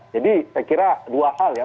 jadi saya kira dua hal ya